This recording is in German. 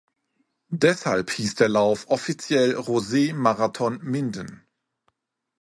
Deshalb hieß der Lauf offiziell Rose-Marathon Minden.